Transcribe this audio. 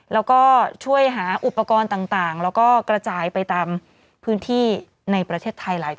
แล้วก็ช่วยหาอุปกรณ์ต่างแล้วก็กระจายไปตามพื้นที่ในประเทศไทยหลายคน